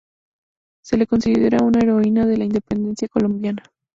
Se le considera una heroína de la independencia colombiana.